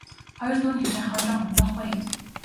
Хоёр дүү нь эгч ах хоёроо гомдоохгүй ээ.